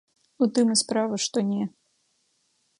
У тым і справа, што не.